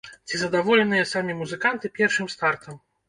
Ці задаволеныя самі музыканты першым стартам?